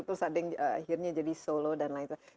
terus adeng akhirnya jadi solo dan lain lain